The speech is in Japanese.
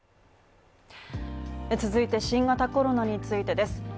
続いて、新型コロナについてです。